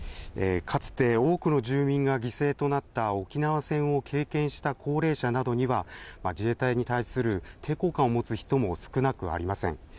かつて多くの住民が犠牲となった沖縄戦を経験した高齢者などには、自衛隊に対する抵抗感を持つ人も少なくありません。